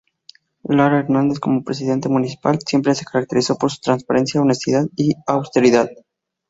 Lara Hernández como Presidente MunicipaL, siempre se caracterizó por su Transparencia, Honestidad y austeridad.